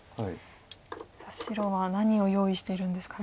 さあ白は何を用意してるんですかね。